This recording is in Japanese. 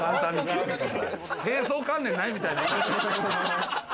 貞操観念ないみたいな。